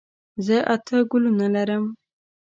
زه اته ګلونه لرم.